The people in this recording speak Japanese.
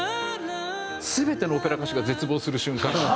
全てのオペラ歌手が絶望する瞬間が。